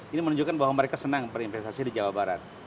ini menunjukkan bahwa mereka senang berinvestasi di jawa barat